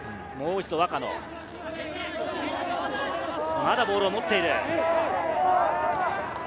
まだボールを持っている。